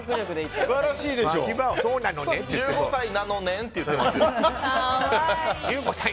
１５歳なのねんって言ってますよ。